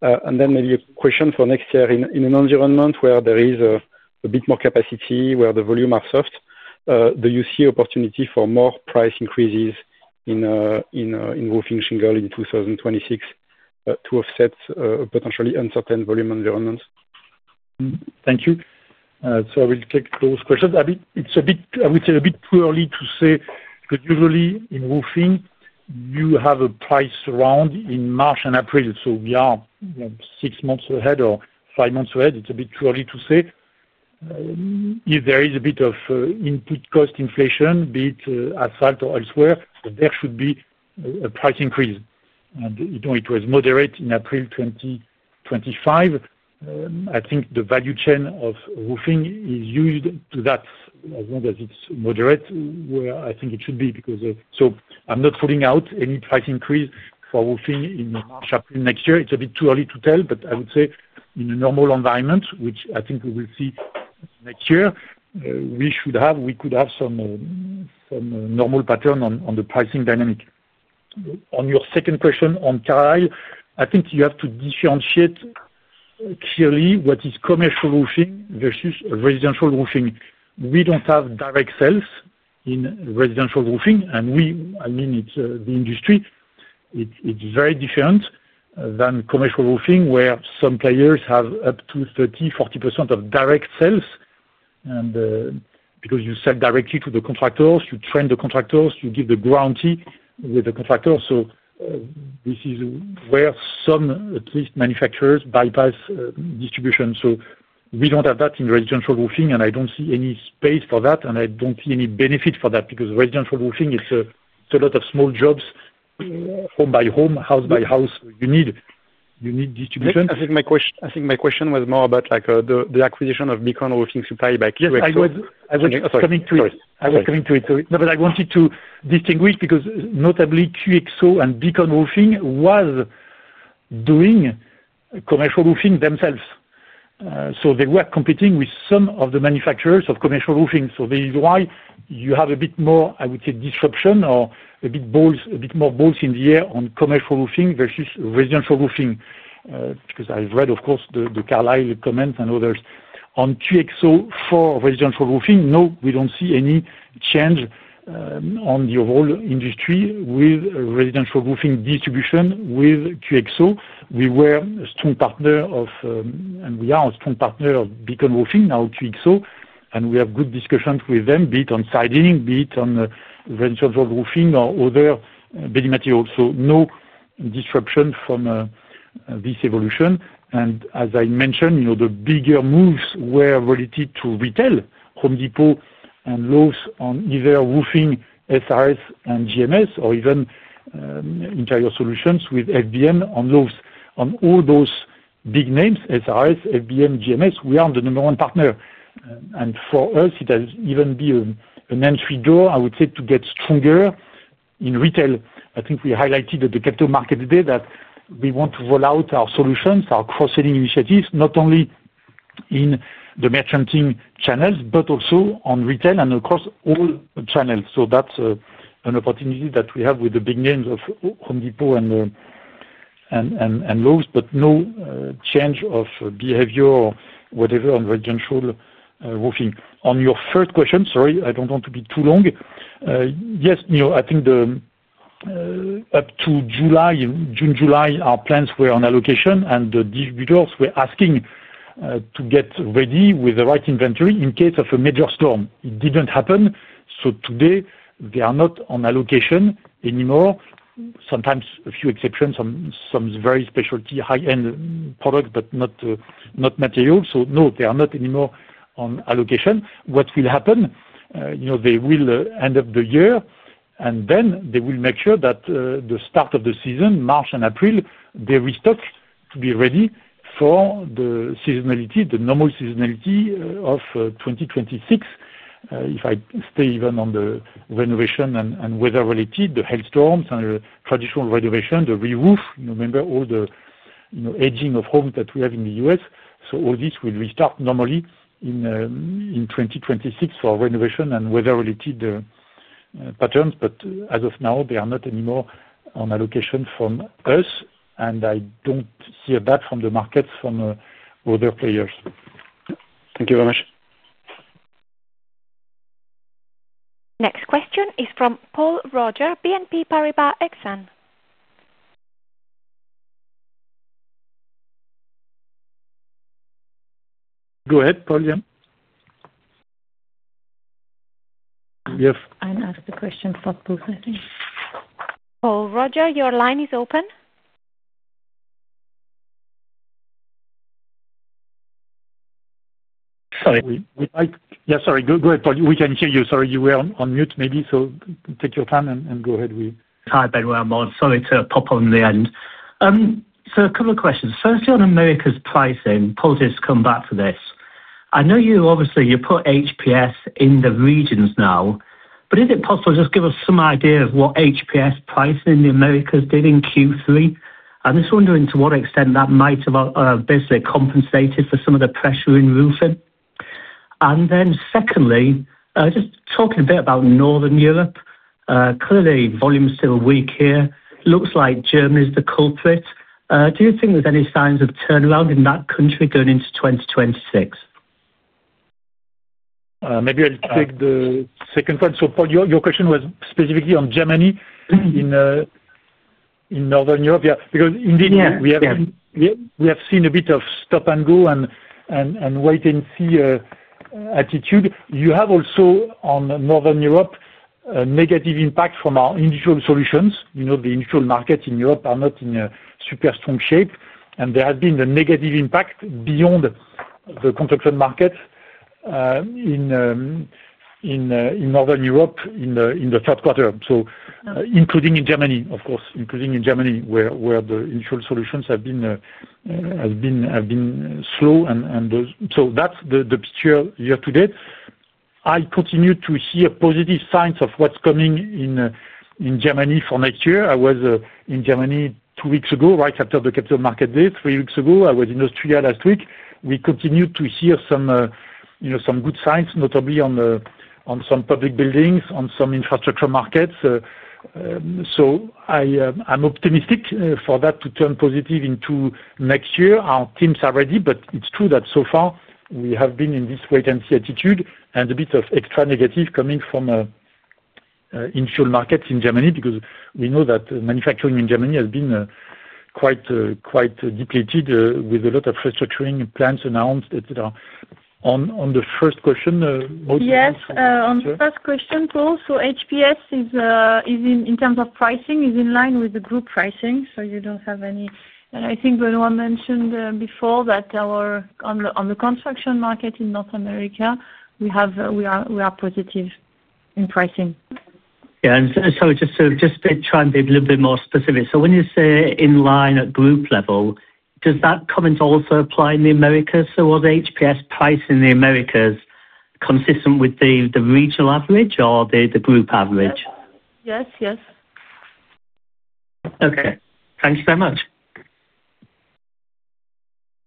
S12: Maybe a question for next year. In an environment where there is a bit more capacity, where the volumes are soft, do you see opportunity for more price increases in Roofing Shingle in 2026 to offset a potentially uncertain volume environment?
S2: Thank you. I will take those questions. It's a bit, I would say, a bit too early to say, because usually in roofing, you have a price round in March and April. We are six months ahead or five months ahead. It's a bit too early to say. If there is a bit of input cost inflation, be it asphalt or elsewhere, there should be a price increase. It was moderate in April 2025. I think the value chain of roofing is used to that, as long as it's moderate, where I think it should be, because I'm not pulling out any price increase for roofing in March-April next year. It's a bit too early to tell, but I would say in a normal environment, which I think we will see next year, we should have, we could have some normal pattern on the pricing dynamic. On your second question on Carlisle, I think you have to differentiate clearly what is commercial roofing versus residential roofing. We don't have direct sales in residential roofing. It's the industry. It's very different than commercial roofing, where some players have up to 30%, 40% of direct sales, because you sell directly to the contractors, you train the contractors, you give the guarantee with the contractor. This is where some manufacturers bypass distribution. We don't have that in residential roofing, and I don't see any space for that, and I don't see any benefit for that, because residential roofing, it's a lot of small jobs, home by home, house by house. You need distribution.
S12: I think my question was more about the acquisition of Beacon Roofing Supply by QXO.
S2: Yes, I was coming to it.
S12: Sorry.
S2: I was coming to it. No, but I wanted to distinguish, because notably, QXO and Beacon Roofing was doing commercial roofing themselves. They were competing with some of the manufacturers of commercial roofing. This is why you have a bit more, I would say, disruption or a bit more bolts in the air on commercial roofing versus residential roofing, because I've read, of course, the Carlisle comments and others. On QXO for residential roofing, no, we don't see any change. On the overall industry with residential roofing distribution with QXO, we were a strong partner of, and we are a strong partner of Beacon Roofing, now QXO, and we have good discussions with them, be it on siding, be it on residential roofing or other building materials. No disruption from this evolution. As I mentioned, the bigger moves were related to retail, Home Depot and Lowe's on either roofing SRS and GMS, or even Interior Solutions with FBM on Lowe's. On all those big names, SRS, FBM, GMS, we are the number one partner. For us, it has even been an entry door, I would say, to get stronger in retail. I think we highlighted at the capital market today that we want to roll out our solutions, our cross-selling initiatives, not only in the merchanting channels, but also on retail and across all channels. That's an opportunity that we have with the big names of Home Depot and Lowe's, but no change of behavior or whatever on residential roofing. On your first question, sorry, I don't want to be too long. Yes, I think up to June, July, our plans were on allocation, and the distributors were asking to get ready with the right inventory in case of a major storm. It didn't happen. Today, they are not on allocation anymore. Sometimes a few exceptions, some very specialty high-end products, but not materials. No, they are not anymore on allocation. What will happen? They will end the year, and then they will make sure that at the start of the season, March and April, they restock to be ready for the normal seasonality of 2026. If I stay even on the renovation and weather-related, the hailstorms and the traditional renovation, the re-roof, remember all the aging of homes that we have in the U.S. All this will restart normally in 2026 for renovation and weather-related patterns. As of now, they are not anymore on allocation from us, and I don't see a gap from the markets from other players.
S12: Thank you very much.
S3: Next question is from Paul Roger, BNP Paribas Exane.
S2: Go ahead, Paul. Yes.
S1: I'll ask the question for both, I think.
S3: Paul Roger, your line is open.
S2: Sorry. Go ahead, Paul. We can hear you. You were on mute maybe. Take your time and go ahead.
S13: Hi, Benoît. I'm sorry to pop on the end. A couple of questions. Firstly, on America's pricing, Paul's just come back to this. I know you obviously put HPS in the regions now, but is it possible to just give us some idea of what HPS pricing in the Americas did in Q3? I'm just wondering to what extent that might have basically compensated for some of the pressure in roofing. Secondly, just talking a bit about Northern Europe, clearly volume is still weak here. Looks like Germany is the culprit. Do you think there's any signs of turnaround in that country going into 2026?
S2: Maybe I'll take the second one. Paul, your question was specifically on Germany in Northern Europe, yeah? Because indeed, we have seen a bit of stop and go and wait and see attitude. You have also on Northern Europe a negative impact from our individual solutions. The individual markets in Europe are not in a super strong shape, and there has been a negative impact beyond the construction market. In Northern Europe in the third quarter, including in Germany, of course, including in Germany, where the initial solutions have been slow. That's the picture year to date. I continue to see positive signs of what's coming in Germany for next year. I was in Germany two weeks ago, right after the capital market day, three weeks ago. I was in Austria last week. We continued to hear some good signs, notably on some public buildings, on some infrastructure markets. I'm optimistic for that to turn positive into next year. Our teams are ready, but it's true that so far, we have been in this wait-and-see attitude and a bit of extra negative coming from individual markets in Germany, because we know that manufacturing in Germany has been quite depleted with a lot of restructuring plans announced, etc. On the first question, Paul?
S1: Yes. On the first question, Paul, HPS in terms of pricing is in line with the group pricing, so you don't have any. I think Benoît mentioned before that on the construction market in North America, we are positive in pricing.
S13: Sorry, just to try and be a little bit more specific. When you say in line at group level, does that comment also apply in the Americas? Was HPS priced in the Americas consistent with the regional average or the group average?
S1: Yes, yes.
S13: Okay, thanks very much.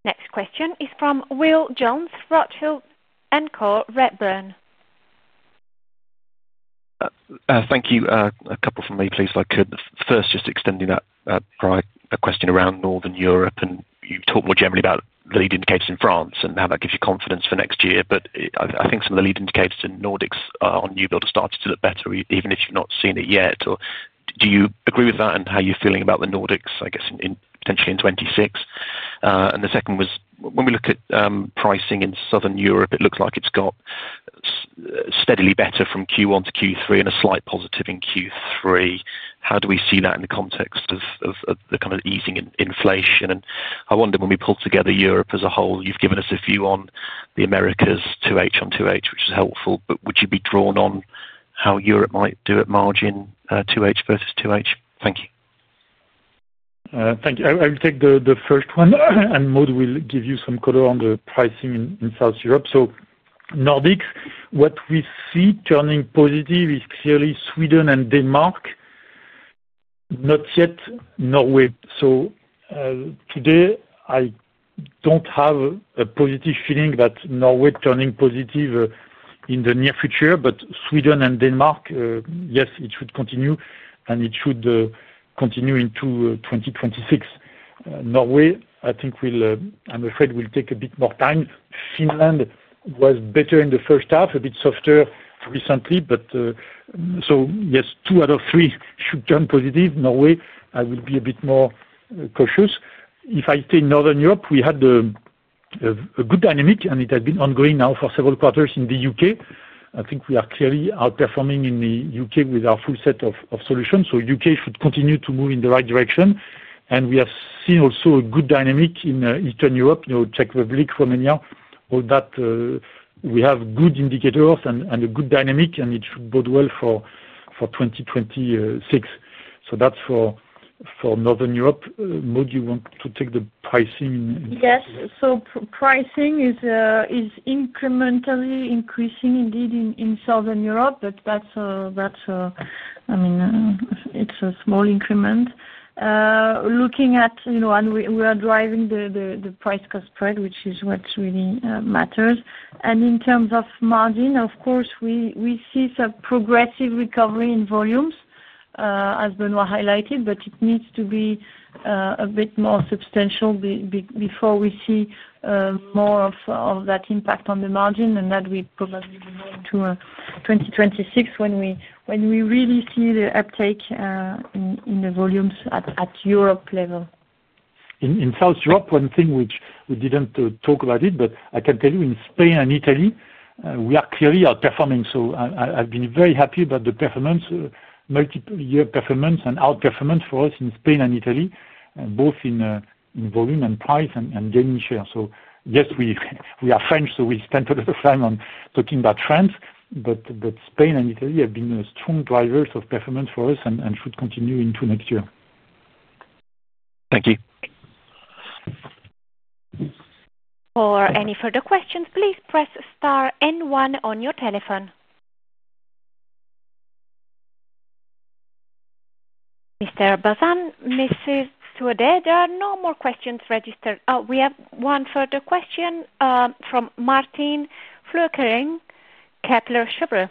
S3: Next question is from Will Jones, Rothschild, Encore, Redburn.
S14: Thank you. A couple for me, please, if I could. First, just extending that question around Northern Europe, can you talk more generally about the lead indicators in France and how that gives you confidence for next year? I think some of the lead indicators in Nordics on new build are starting to look better, even if you've not seen it yet. Do you agree with that and how you're feeling about the Nordics, I guess, potentially in 2026? The second was, when we look at pricing in Southern Europe, it looks like it's gotten steadily better from Q1 to Q3 and a slight positive in Q3. How do we see that in the context of the kind of easing in inflation? I wonder, when we pull together Europe as a whole, you've given us a view on the Americas 2H on 2H, which is helpful, but would you be drawn on how Europe might do at margin 2H versus 2H? Thank you.
S2: Thank you. I will take the first one, and Maud will give you some color on the pricing in South Europe. Nordics, what we see turning positive is clearly Sweden and Denmark, not yet Norway. Today, I don't have a positive feeling that Norway is turning positive in the near future, but Sweden and Denmark, yes, it should continue, and it should continue into 2026. Norway, I think, I'm afraid, will take a bit more time. Finland was better in the first half, a bit softer recently. Yes, two out of three should turn positive. Norway, I will be a bit more cautious. If I say Northern Europe, we had a good dynamic, and it has been ongoing now for several quarters in the U.K. I think we are clearly outperforming in the U.K. with our full set of solutions. U.K. should continue to move in the right direction. We have seen also a good dynamic in Eastern Europe, Czech Republic, Romania, all that. We have good indicators and a good dynamic, and it should bode well for 2026. That's for Northern Europe. Maud, you want to take the pricing in?
S1: Yes. Pricing is incrementally increasing, indeed, in Southern Europe, but that's, I mean, it's a small increment. We are driving the price-cost spread, which is what really matters. In terms of margin, of course, we see some progressive recovery in volumes, as Benoît highlighted, but it needs to be a bit more substantial before we see more of that impact on the margin. That probably will move to 2026 when we really see the uptake in the volumes at Europe level.
S2: In South Europe, one thing which we didn't talk about, but I can tell you in Spain and Italy, we are clearly outperforming. I've been very happy about the performance, multi-year performance and outperformance for us in Spain and Italy, both in volume and price and gaining share. Yes, we are French, so we spent a lot of time on talking about France, but Spain and Italy have been strong drivers of performance for us and should continue into next year.
S14: Thank you.
S3: For any further questions, please press star N1 on your telephone. Mr. Bazin, Mrs. Thuaudet, there are no more questions registered. We have one further question from Martin Flokering, Kepler Cheuvreux.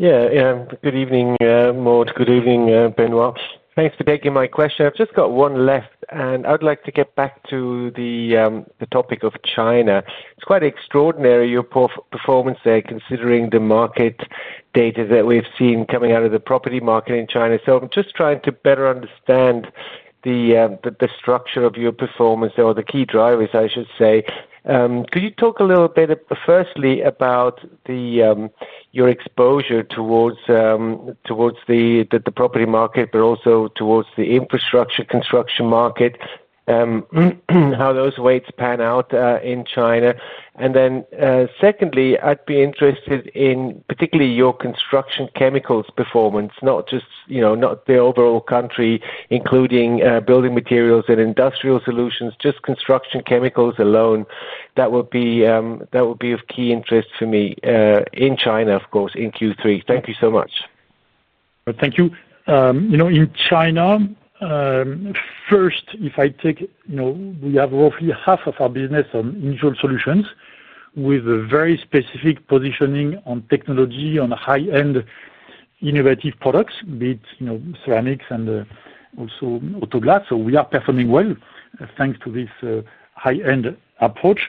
S15: Good evening, Maud. Good evening, Benoît. Thanks for taking my question. I've just got one left, and I'd like to get back to the topic of China. It's quite extraordinary, your performance there, considering the market. Data that we've seen coming out of the property market in China. I'm just trying to better understand the structure of your performance or the key drivers, I should say. Could you talk a little bit firstly about your exposure towards the property market, but also towards the infrastructure construction market? How those weights pan out in China? I'd be interested in particularly your construction chemicals performance, not just the overall country, including building materials and industrial solutions, just construction chemicals alone. That would be of key interest for me in China, of course, in Q3. Thank you so much.
S2: Thank you. In China, first, if I take, we have roughly half of our business on individual solutions with a very specific positioning on technology, on high-end, innovative products, be it ceramics and also auto glass. We are performing well thanks to this high-end approach.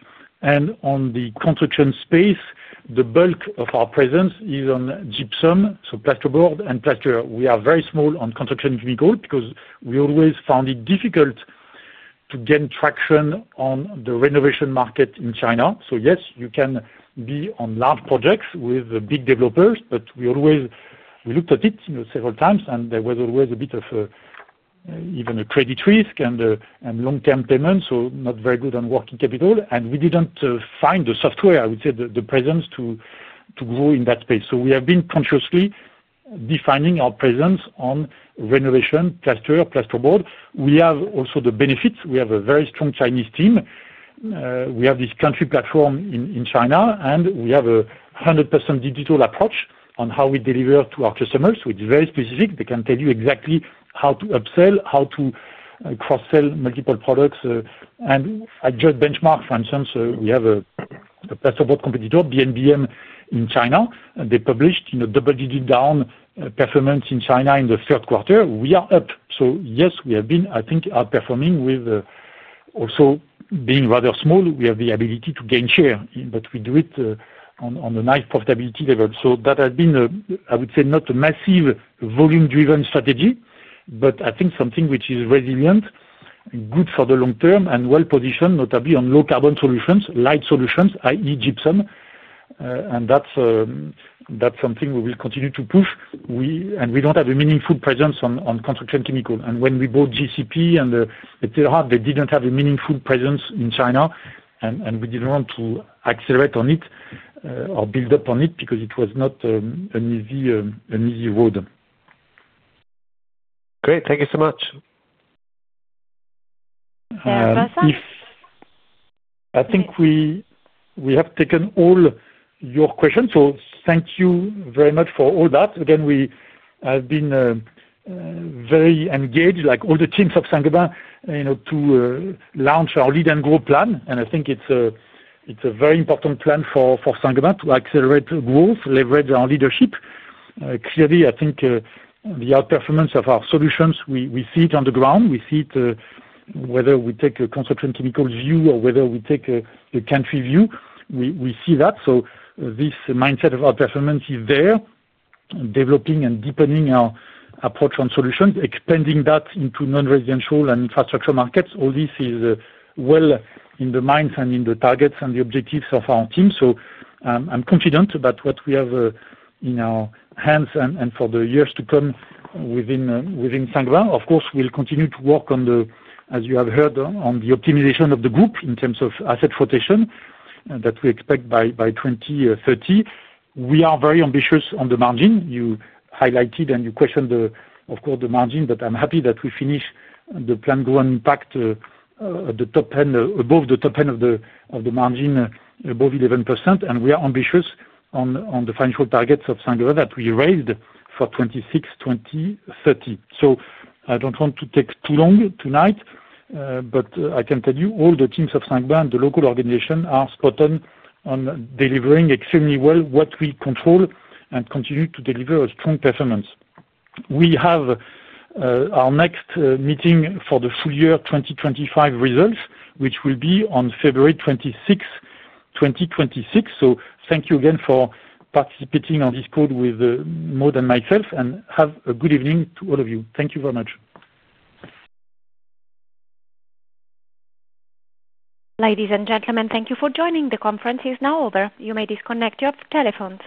S2: In the construction space, the bulk of our presence is on gypsum, so plasterboard and plaster. We are very small on construction chemicals because we always found it difficult to gain traction on the renovation market in China. Yes, you can be on large projects with big developers, but we always looked at it several times, and there was always a bit of even a credit risk and long-term payments, so not very good on working capital. We didn't find the software, I would say, the presence to grow in that space. We have been consciously defining our presence on renovation, plaster, plasterboard. We have also the benefits. We have a very strong Chinese team. We have this country platform in China, and we have a 100% digital approach on how we deliver to our customers, which is very specific. They can tell you exactly how to upsell, how to cross-sell multiple products. I just benchmark, for instance, we have a plasterboard competitor, BNBM, in China. They published a double-digit-down performance in China in the third quarter. We are up. We have been, I think, outperforming with also being rather small. We have the ability to gain share, but we do it on a nice profitability level. That has been, I would say, not a massive volume-driven strategy, but I think something which is resilient, good for the long term, and well-positioned, notably on low-carbon solutions, light solutions, i.e., gypsum. That's something we will continue to push. We don't have a meaningful presence on construction chemicals. When we bought GCP and etc., they didn't have a meaningful presence in China, and we didn't want to accelerate on it or build up on it because it was not an easy road.
S15: Great. Thank you so much.
S3: Yeah, Benoît.
S2: I think we have taken all your questions. Thank you very much for all that. We have been very engaged, like all the teams of Saint-Gobain, to launch our lead and growth plan. I think it's a very important plan for Saint-Gobain to accelerate growth and leverage our leadership. Clearly, I think the outperformance of our solutions, we see it on the ground. We see it whether we take a construction chemicals view or whether we take a country view. We see that. This mindset of outperformance is there, developing and deepening our approach on solutions, expanding that into non-residential and infrastructure markets. All this is well in the minds and in the targets and the objectives of our team. I'm confident about what we have in our hands and for the years to come within Saint-Gobain. Of course, we'll continue to work on, as you have heard, the optimization of the group in terms of asset rotation that we expect by 2030. We are very ambitious on the margin. You highlighted and you questioned, of course, the margin, but I'm happy that we finished the plan growth impact above the top end of the margin, above 11%, and we are ambitious on the financial targets of Saint-Gobain that we raised for 2026-2030. I don't want to take too long tonight, but I can tell you all the teams of Saint-Gobain and the local organization are spot on delivering extremely well what we control and continue to deliver a strong performance. We have our next meeting for the full year 2025 results, which will be on February 26th, 2026. Thank you again for participating on this call with Maud and myself, and have a good evening to all of you. Thank you very much.
S3: Ladies and gentlemen, thank you for joining. The conference is now over. You may disconnect your telephones.